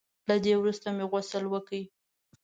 له دې وروسته مې غسل وکړ.